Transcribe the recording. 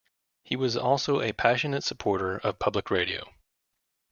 He was also a passionate supporter of public radio.